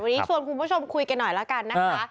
วันนี้ชวนคุณผู้ชมคุยกันหน่อยแล้วกันนะคะ